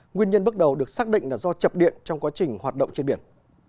nguyên nhân bước đầu được xác định là do chập điện trong quá trình hoạt động trên biển